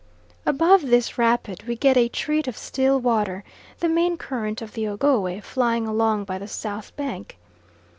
Above this rapid we get a treat of still water, the main current of the Ogowe flying along by the south bank.